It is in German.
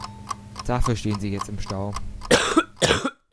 Dafür stehen sie jetzt im Stau.